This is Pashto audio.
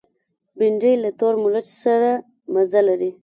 بېنډۍ له تور مرچ سره مزه لري